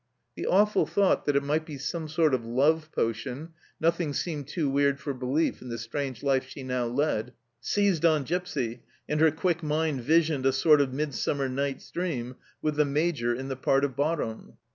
The awful thought that it might be some sort of love potion nothing seemed too weird for belief in the strange life she now led seized on Gipsy, and her quick mind visioned a sort of "Midsummer Night's Dream," with the Major in the part of Bottom